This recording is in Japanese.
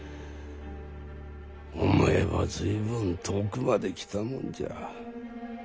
思えば随分遠くまで来たもんじゃ。